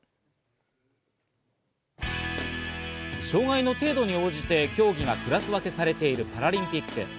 障害の程度に応じて競技がクラス分けされているパラリンピック。